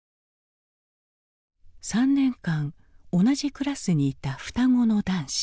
３年間同じクラスにいた双子の男子。